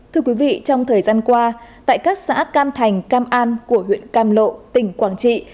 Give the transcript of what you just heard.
thưa quý vị trong thời gian qua tại các xã cam thành cam an của huyện cam lộ tỉnh quảng trị